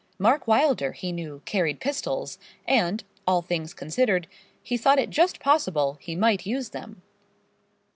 Mark Wylder, he knew, carried pistols, and, all things considered, he thought it just possible he might use them.